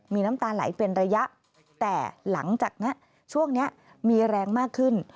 มีน้ำตาไหลเป็นระยะแต่หลังจากนี้ช่วงนี้มีแรงมากขึ้น